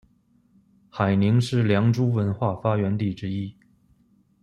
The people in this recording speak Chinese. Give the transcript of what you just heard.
海宁是良渚文化发源地之一。